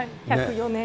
１０４年。